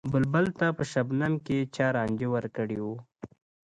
بلبل ته په شبنم کــــې چا رانجه ور کـــړي وو